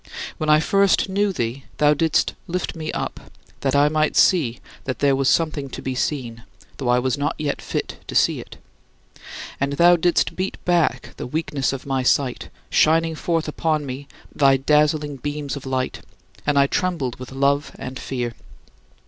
When I first knew thee, thou didst lift me up, that I might see that there was something to be seen, though I was not yet fit to see it. And thou didst beat back the weakness of my sight, shining forth upon me thy dazzling beams of light, and I trembled with love and fear.